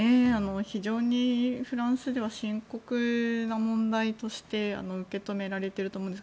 非常にフランスでは深刻な問題として受け止められていると思います。